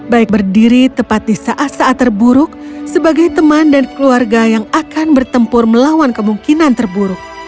baik berdiri tepat di saat saat terburuk sebagai teman dan keluarga yang akan bertempur melawan kemungkinan terburuk